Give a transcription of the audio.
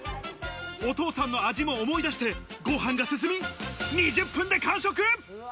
お父さんの味も思い出して、ご飯が進み、２０分で完食。